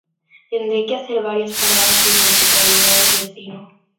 Tendré que hacer varias paradas de metro para llegar a mi destino